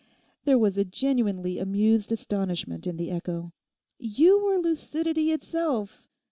There was a genuinely amused astonishment in the echo. 'You were lucidity itself.